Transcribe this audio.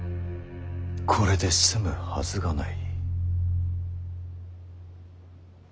これで済むはずがない。